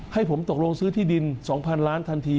ให้ผมตกลงซื้อที่ดิน๒๐๐๐ล้านทันที